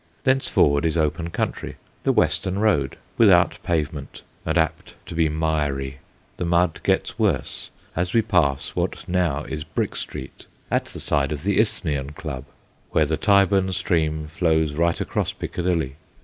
Thenceforward is open country, the Western Road, without pavement and apt to be miry. The mud gets worse as we THE STONE BRIDGE 11 pass what now is Brick Street, at the side of the Isthmian Club, where the Tyburn stream flows right across Piccadilly.